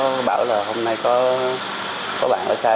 em mới em với bạn ấy luôn không nhất là đi sử dụng ma túy